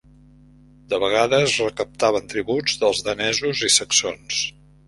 De vegades recaptaven tributs dels danesos i saxons.